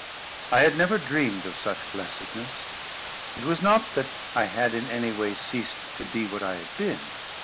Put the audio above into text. I had never dreamed of such blessedness. It was not that I had in any way ceased to be what I had been.